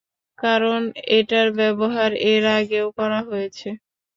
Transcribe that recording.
কারণ, এটার ব্যবহার এর আগেও করা হয়েছে।